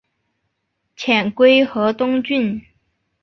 遣归河东郡。